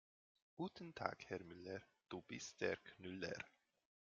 Guten Tag Herr Müller, du bist der Knüller.